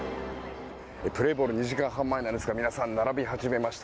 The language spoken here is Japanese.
プレーボール２時間半前なんですが皆さん、並び始めました。